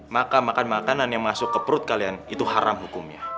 maka makan makanan yang masuk ke perut kalian itu haram hukumnya